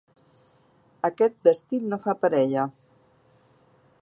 Aquest vestit no fa per a ella.